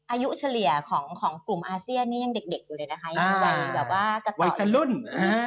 อายุเฉลี่ยของกลุ่มอาเซียนมันยังเด็กอะไรเลยนะคะ